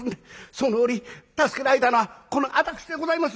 その折助けられたのはこの私でございます！」。